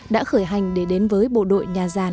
đã khởi hành để đến với bộ đội nhà giàn